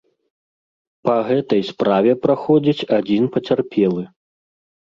Па гэтай справе праходзіць адзін пацярпелы.